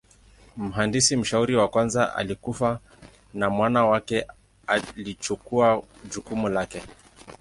Mhandisi mshauri wa kwanza alikufa na mwana wake alichukua jukumu lake.